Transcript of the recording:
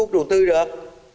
mới ủi tính quốc tế được